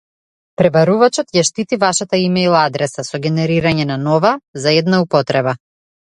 Пребарувачот ја штити вашата имејл адреса со генерирање на нова за една употреба